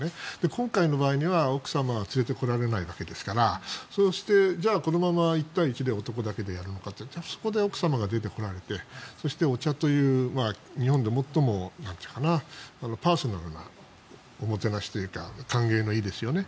今回の場合には奥様は連れてこられないわけですからそうして、じゃあこのまま１対１で男だけでやるのかというとそこで奥様が出てこられてそしてお茶という日本で最もパーソナルなおもてなしというか歓迎の意ですよね。